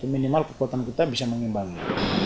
minimal kekuatan kita bisa mengimbangi